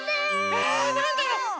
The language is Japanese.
えなんだろ？